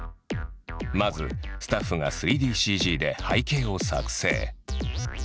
まずスタッフが３ＤＣＧで背景を作成。